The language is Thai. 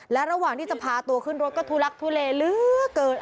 และระหว่างที่จะพาตัวขึ้นรถก็ทุลักทุเลเหลือเกิน